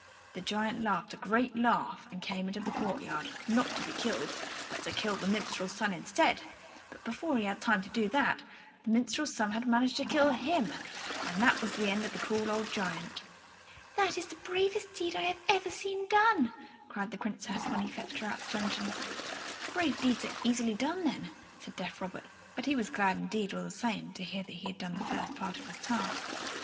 The giant laughed a great laugh and came out into the courtyard, not to be killed, but to kill the minstrel's son instead; but before he had time to do that, the minstrel's son had managed to kill him, and there was an end of the cruel old giant. "That is the bravest deed I have ever seen done!" cried the Princess, when he fetched her out of her dungeon. "Brave deeds are easily done, then," said deaf Robert; but he was glad enough, all the same, to hear that he had done the first part of his task.